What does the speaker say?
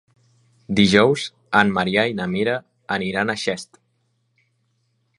Dijous en Maria i na Mira aniran a Xest.